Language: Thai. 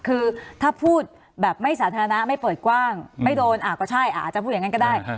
คือถ้าพูดแบบไม่สาธารณะไม่เปิดกว้างไม่โดนก็ใช่อาจจะพูดอย่างนั้นก็ได้